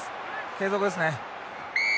継続ですね。